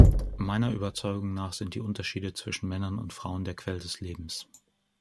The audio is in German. Meiner Überzeugung nach sind die Unterschiede zwischen Männern und Frauen der Quell des Lebens.